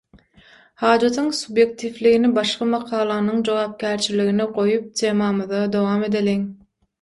Hajatyň subýektiwligini başga makalanyň jogapkärçiligine goýup temamyza dowam edeliň.